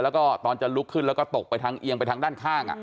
แล้วก็ตอนจะลุกขึ้นแล้วก็ตกไปทางเอียงไปทางด้านข้าง